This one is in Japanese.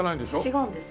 違うんです。